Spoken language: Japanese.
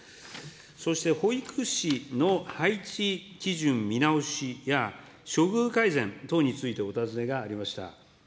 そして保育士の配置基準見直しや、処遇改善等についてお尋ねがありました。